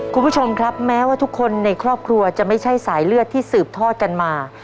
คุณผู้ชมครับแม้ว่าทุกคนในครอบครัวจะไม่ใช่สายเลือดที่สืบทอดกันมา